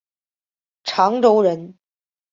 长洲人。